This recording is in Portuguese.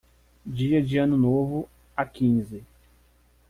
Dia de ano novo a quinze